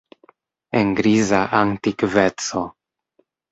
En griza antikveco.